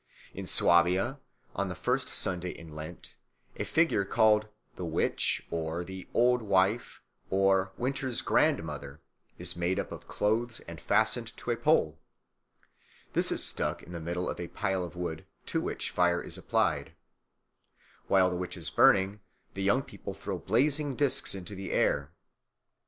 In Swabia on the first Sunday in Lent a figure called the "witch" or the "old wife" or "winter's grandmother" is made up of clothes and fastened to a pole. This is stuck in the middle of a pile of wood, to which fire is applied. While the "witch" is burning, the young people throw blazing discs into the air.